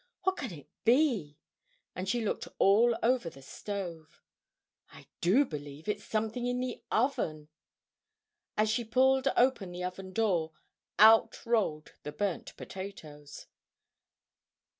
"What can it be?" and she looked all over the stove. "I do believe it's something in the oven!" As she pulled open the oven door, out rolled the burnt potatoes.